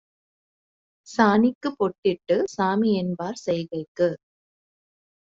சாணிக்குப் பொட்டிட்டுச் சாமிஎன்பார் செய்கைக்கு